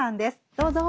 どうぞ。